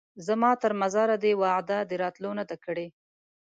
زما تر مزاره دي وعده د راتلو نه ده کړې